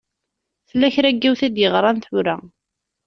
Tella kra n yiwet i d-yeɣṛan tura.